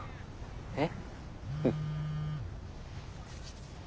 えっ？